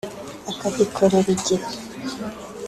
akagikorera igihe